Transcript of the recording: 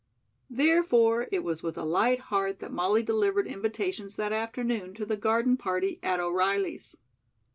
Therefore, it was with a light heart that Molly delivered invitations that afternoon to the garden party at O'Reilly's.